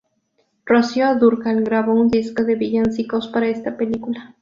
Rocío Dúrcal grabó un disco de villancicos para esta película.